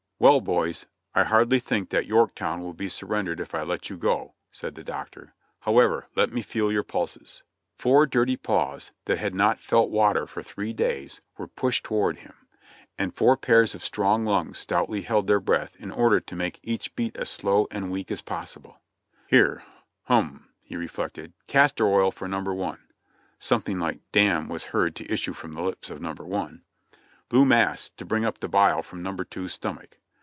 "Well, boys, I hardly think that Yorktown \\\\\ be surrendered if I let you go," said the Doctor; "however, let me feel your pulses !" Four dirty paws, that had not felt water for three days, were pushed toward him, and four pairs of strong lungs stoutly held their breath in order to make each beat as slow and weak as pos sible. "Here — hum," he reflected. "Castor oil for number one." (Something like "dam" was heard to issue from the lips of number one.) "Blue mass to bring up the bile from number two's stomach."